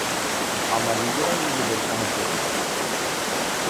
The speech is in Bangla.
আমরা নিজেরাই নিজেদের সাহায্য করি।